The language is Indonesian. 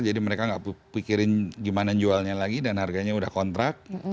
jadi mereka gak pikirin gimana jualnya lagi dan harganya udah kontrak